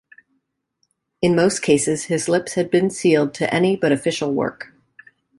In most cases, his lips had been sealed to any but official work.